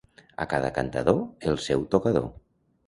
A cada cantador, el seu tocador.